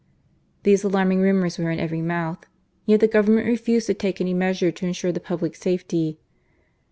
These alarming rumours were in every mouth ; yet the Government refused to take any measure to ensure the public safety.